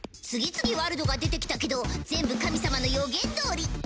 次々ワルドが出てきたけど全部神様の予言どおり。